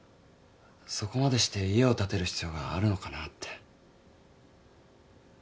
そこまでして家を建てる必要があるのかなって。